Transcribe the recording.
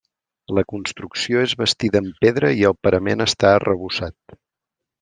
La construcció és bastida amb pedra i el parament està arrebossat.